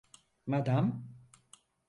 Madam.